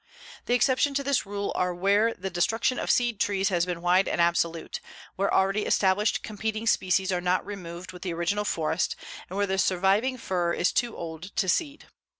The exceptions to this rule are where the destruction of seed trees has been wide and absolute, where already established competing species are not removed with the original forest, and where the surviving fir is too old to seed.